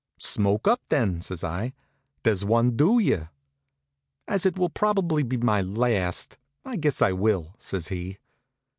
"Smoke up, then," says I. "There's one due you." "As it will probably be my last, I guess I will," says he.